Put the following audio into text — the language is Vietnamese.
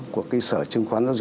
của cái sở chứng khoán này